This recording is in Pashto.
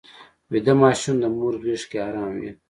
ویده ماشوم د مور غېږ کې ارام وي